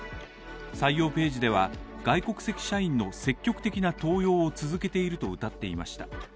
採用ページでは、外国籍社員の積極的な登用を続けているとうたっていました。